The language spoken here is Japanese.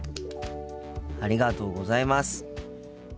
ありがとうございます。